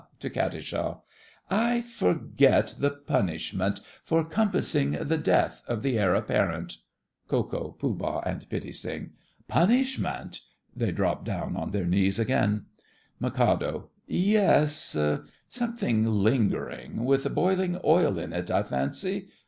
(To Katisha.) I forget the punishment for compassing the death of the Heir Apparent. KO., POOH, and PITTI. Punishment. (They drop down on their knees again.) MIK. Yes. Something lingering, with boiling oil in it, I fancy.